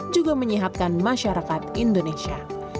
juga menyehatkan masyarakat indonesia